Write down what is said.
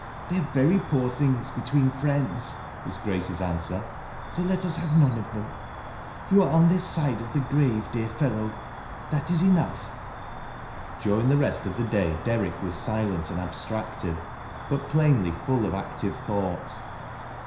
" They are very poor things between friends," wa» Grace's answer ;" so let us have none of them. You are on this side of the grave, dear fellow — that is enough." During the rest of the day Derrick was silent and abstracted, but plainly full of active thought.